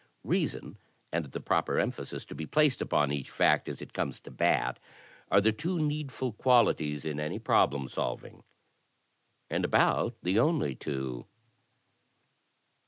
Reason, and the proper emphasis to be placed upon each fact as it comes to bat, are the two needful qualities in any problem solving — ^and about the only two."